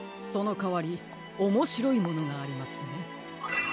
そのかわりおもしろいものがありますね。